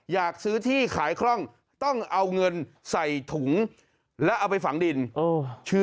อยากซื้อที่ขายคล่องต้องเอาเงินใส่ถุงแล้วเอาไปฝังดิน